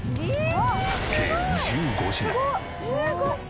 計１５品。